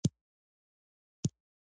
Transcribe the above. په تېرو دريو برخو کې مو پر دې بحث وکړ